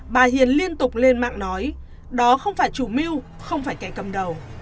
bà hiền liên tục lên mạng nói đó không phải chủ mưu không phải kẻ cầm đầu